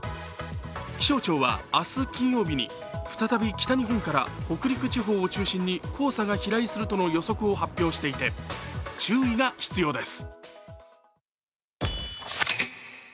気象庁は明日金曜日に再び北日本から北陸地方を中心に黄砂が飛来するとの予測を発表していて注意が必要です。